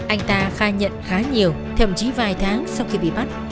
anh ta khai nhận khá nhiều thậm chí vài tháng sau khi bị bắt